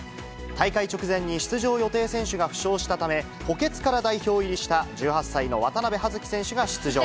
大会直前に出場予定選手が負傷したため、補欠から代表入りした１８歳の渡部葉月選手が出場。